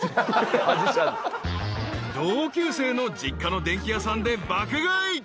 ［同級生の実家の電気屋さんで爆買い］